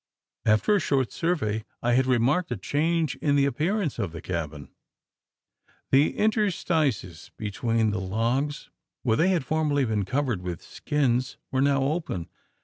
After a short survey, I had remarked a change in the appearance of the cabin. The interstices between the logs where they had formerly been covered with skins were now open.